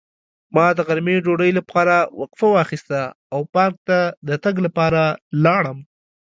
ما د غرمې ډوډۍ لپاره وقفه واخیسته او پارک ته د تګ لپاره لاړم.